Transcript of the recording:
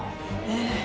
ええ。